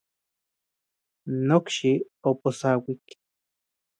Nokxi oposauik.